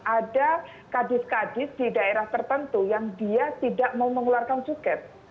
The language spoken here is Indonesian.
ada kadis kadis di daerah tertentu yang dia tidak mau mengeluarkan suket